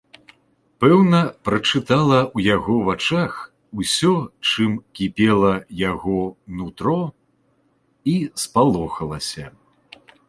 Пэўна, прачытала ў яго вачах усё, чым кіпела яго нутро, і спалохалася.